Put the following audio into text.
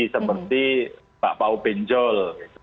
seperti bapak ubin jol